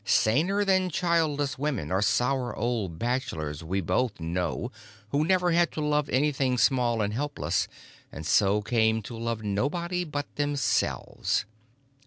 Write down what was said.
Saner than childless women or sour old bachelors we both know who never had to love anything small and helpless, and so come to love nobody but themselves.